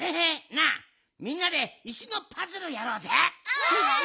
なあみんなで石のパズルやろうぜ！